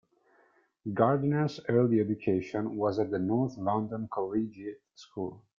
Gardner's early education was at the North London Collegiate School.